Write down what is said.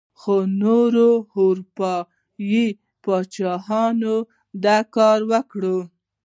خو نورو اروپايي پاچاهانو دا کار وکړ.